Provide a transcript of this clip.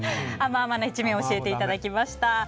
甘々な一面を教えていただきました。